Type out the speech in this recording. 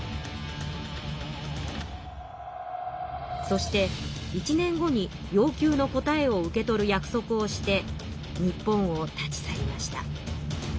そして１年後に要求の答えを受け取る約束をして日本を立ち去りました。